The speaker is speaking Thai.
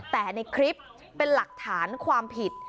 แต่ในคลิปเป็นหลักฐานความผิด